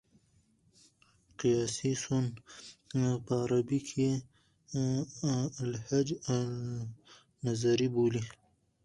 قیاسي سون په عربي کښي الهج النظري بولي.